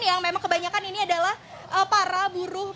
yang memang kebanyakan ini adalah para buru perempuan